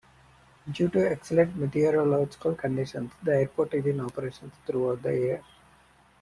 Due to excellent meteorological conditions, the airport is in operation throughout the year.